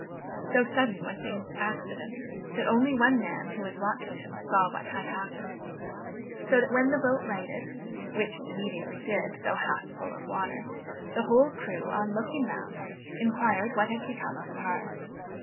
So sudden was the accident, that only one man, who was watching him, saw what had happened; so that when the boat righted, which it immediately did, though half full of water, the whole crew on looking round inquired what had become of Carr.